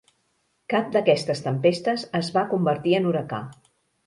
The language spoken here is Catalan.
Cap d'aquestes tempestes es va convertir en huracà.